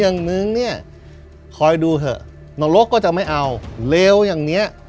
อย่างนึงเนี่ยคอยดูเถอะนรกก็จะไม่เอาเลวอย่างเนี้ย